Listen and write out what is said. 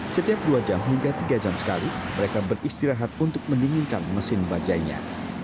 setiap dua jam hingga tiga jam sekali mereka beristirahat untuk mendinginkan mesin bajainya